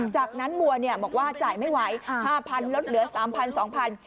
จากนั้นบัวเนี้ยบอกว่าจ่ายไม่ไหวห้าพันลดเหลือสามพันสองพัน